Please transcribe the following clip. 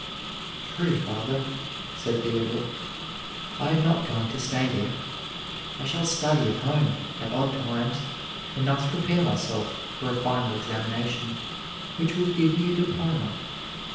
"True, father," said Theodore, "I am not going to stay there; I shall study at home, at odd times, and thus prepare myself for a final examination, which will give me a diploma."